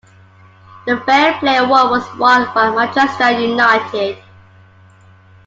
The Fair Play Award was won by Manchester United.